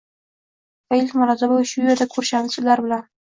va ilk marotaba shu yerda ko‘rishamiz ular bilan.